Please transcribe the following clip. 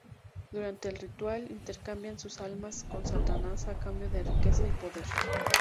Durante el ritual, intercambian sus almas con Satanás a cambio de riqueza y poder.